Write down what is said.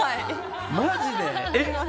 マジで？